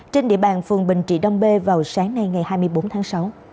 trên địa bàn phường bình trị đông bê vào sáng nay ngày hai mươi bốn tháng sáu